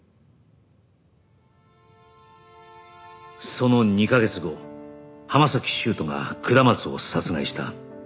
その２カ月後浜崎修斗が下松を殺害した